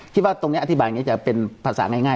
คิดว่าตรงนี้อธิบายจะเป็นภาษาง่าย